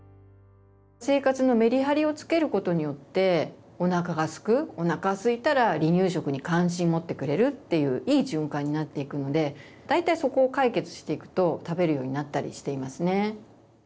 生活のメリハリをつけることによっておなかがすくおなかすいたら離乳食に関心持ってくれるっていういい循環になっていくので大体そこを解決していくと食べるようになったりしていますね。